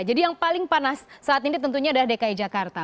jadi yang paling panas saat ini tentunya adalah dki jakarta